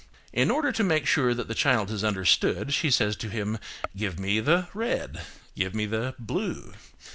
In order to make sure that the child has understood, she says to him, "Give me the red,"–"Give me the blue."